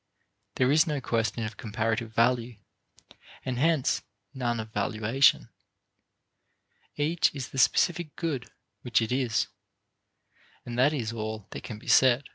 There is no question of comparative value, and hence none of valuation. Each is the specific good which it is, and that is all that can be said.